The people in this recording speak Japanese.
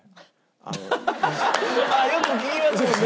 ああよく聞きますもんね。